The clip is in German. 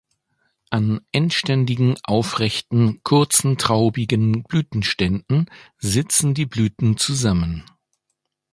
An endständigen, aufrechten, kurzen traubigen Blütenständen sitzen die Blüten zusammen.